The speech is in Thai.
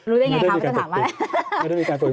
รู้ได้อย่างไรครับไม่ได้มีการปกปิด